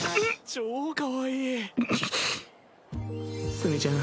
超かわいい。